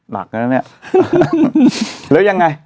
แล้วยังไง